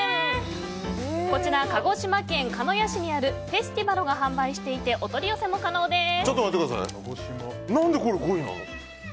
こちら鹿児島県鹿屋市にあるフェスティバロが販売していてお取り寄せも可能です。